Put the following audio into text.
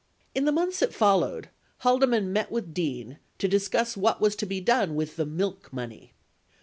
36 In the months that followed, Haldeman met with Dean to discuss what was to be done with the "milk money."